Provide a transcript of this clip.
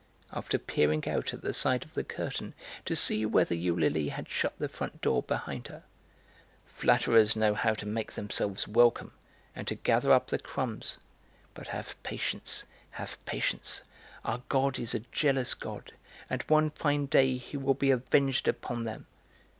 After peering out at the side of the curtain to see whether Eulalie had shut the front door behind her; "Flatterers know how to make themselves welcome, and to gather up the crumbs; but have patience, have patience; our God is a jealous God, and one fine day He will be avenged upon them!"